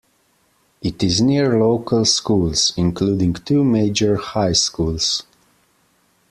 It is near local schools, including two major high schools.